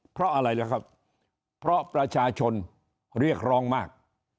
เพราะอะไรล่ะครับเพราะประชาชนเรียกร้องมาก